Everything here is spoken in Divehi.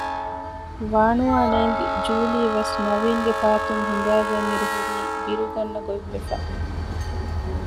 ވާނުވާ ނޭގި ޖޫލީވެސް ނަވީންގެ ފަހަތުން ހިނގައިގަތް އިރު ހުރީ ބިރުގަންނަ ގޮތްވެފަ